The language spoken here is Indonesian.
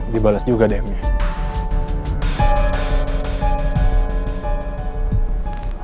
dibalas juga deh